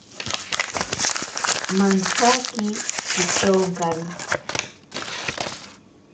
Mantsaki kichonkari.